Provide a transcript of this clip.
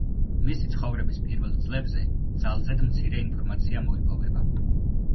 მისი ცხოვრების პირველ წლებზე ძალზედ მცირე ინფორმაცია მოიპოვება.